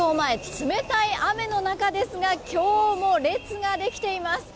冷たい雨の中ですが今日も列ができています。